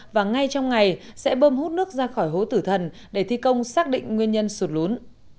và ngay trong ngày sẽ bơm hút nước ra khỏi hố tử thần để thi công xác định nguyên nhân sụt lún